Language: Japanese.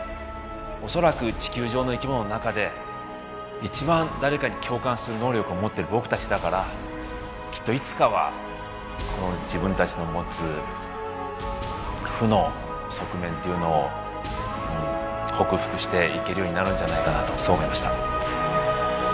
恐らく地球上の生き物の中で一番誰かに共感する能力を持ってる僕たちだからきっといつかはこの自分たちの持つ負の側面っていうのを克服していけるようになるんじゃないかなとそう思いました。